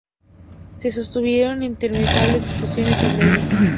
Se sostuvieron interminables discusiones sobre ella.